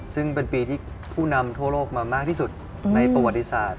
ซึ่งเป็นปีที่ผู้นำทั่วโลกมามากที่สุดในประวัติศาสตร์